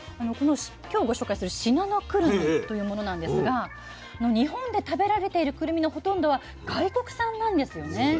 今日ご紹介する信濃くるみというものなんですが日本で食べられているくるみのほとんどは外国産なんですよね。